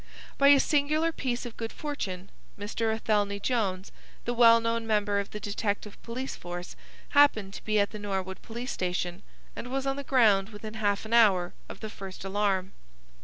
By a singular piece of good fortune, Mr. Athelney Jones, the well known member of the detective police force, happened to be at the Norwood Police Station, and was on the ground within half an hour of the first alarm.